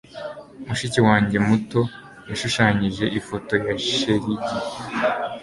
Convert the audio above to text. Mushiki wanjye muto yashushanyije ifoto ya shelegi.